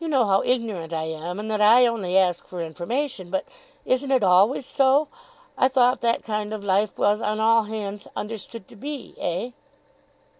You know how ignorant I am, and that I only ask for information, but isn't it always so? I thought that kind of life was on all hands understood to be eh?